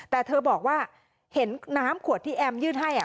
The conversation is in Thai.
แต่เธอบอกว่าเห็นน้ำขวดที่แอมยื่นให้